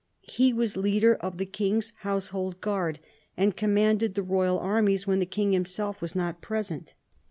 He was leader of the king's household guard, and commanded the royal armies when the king himself was not present.